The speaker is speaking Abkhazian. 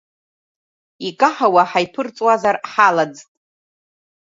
Икаҳауа ҳаиԥырҵуазар ҳалаӡт.